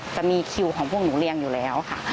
จะมีคิวของพวกหนูเรียงอยู่แล้วค่ะ